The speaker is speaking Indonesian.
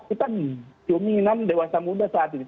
kita dominan dewasa muda saat ini